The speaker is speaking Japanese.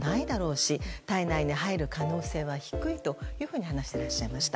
し体内に入る可能性は低いと話していらっしゃいました。